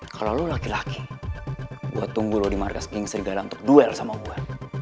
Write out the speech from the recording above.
kalau lo laki laki gue tunggu lu di markas pinggi serigala untuk duel sama gue